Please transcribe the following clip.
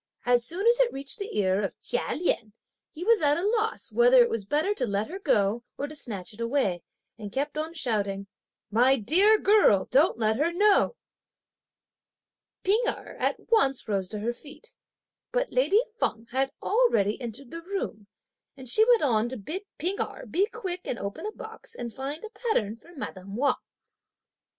As soon as it reached the ear of Chia Lien, he was at a loss whether it was better to let her go or to snatch it away, and kept on shouting, "My dear girl! don't let her know." P'ing Erh at once rose to her feet; but lady Feng had already entered the room; and she went on to bid P'ing Erh be quick and open a box and find a pattern for madame Wang.